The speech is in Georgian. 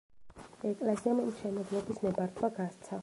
ეკლესიამ მშენებლობის ნებართვა გასცა.